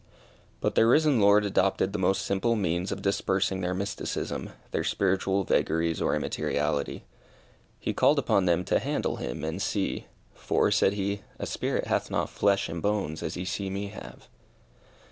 But their risen Lord adopted the most simple means of dispersing their mysticism, their spiritual vagaries or immateriality. He called upon them to handle him and see, "For" said he, "a spirit hath not flesh and bones, as ye see me have."